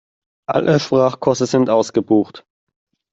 Alle Sprachkurse sind ausgebucht.